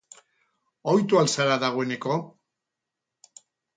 Ohitu al zara dagoeneko?